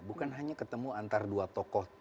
bukan hanya ketemu antara dua tokoh